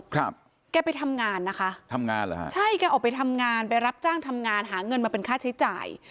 แกไปทำงานนะคะทำงานเหรอฮะใช่แกออกไปทำงานไปรับจ้างทำงานหาเงินมาเป็นค่าใช้จ่าย